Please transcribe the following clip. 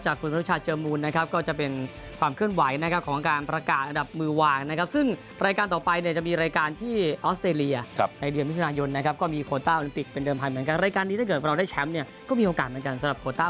ช่วงนี้ก็มีโอกาสก่อนสำหรับการติดตามจากรายงานนะครับ